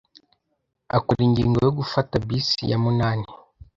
Akora ingingo yo gufata bisi ya munani.